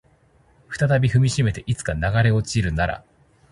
再び踏みしめていつか流れ落ちるなら